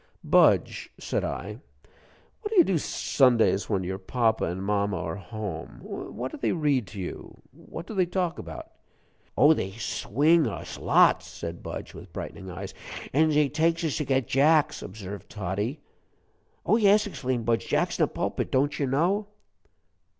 "Budge," said I, "what do you do Sundays when your papa and mama are home? What do they read to you, what do they talk about?" "Oh, they swing us lots!" said Budge, with brightening eyes. "An' zey takes us to get jacks," observed Toddie. "Oh, yes!" exclaimed Budge; "jacks in the pulpit don't you know?"